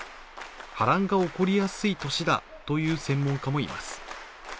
波乱が起こりやすい年だという専門家もいます。